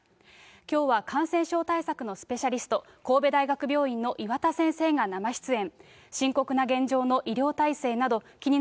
きょうは感染症対策のスペシャリスト、神戸大学病院の岩田先生が生出演。